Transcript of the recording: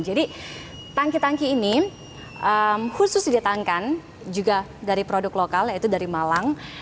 jadi tangki tangki ini khusus didatangkan juga dari produk lokal yaitu dari malang